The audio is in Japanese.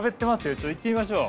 ちょっと行ってみましょう。